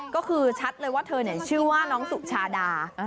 ก็คือชัดเลยว่าเธอชื่อว่าน้องสุชาดา